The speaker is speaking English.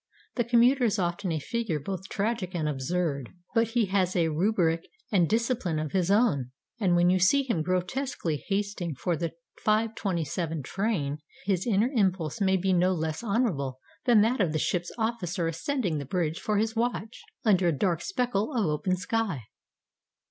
The commuter is often a figure both tragic and absurd; but he has a rubric and discipline of his own. And when you see him grotesquely hasting for the 5:27 train, his inner impulse may be no less honourable than that of the ship's officer ascending the bridge for his watch under a dark speckle of open sky.